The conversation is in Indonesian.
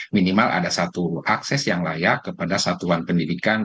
minimal ada satu akses yang layak kepada satuan pendidikan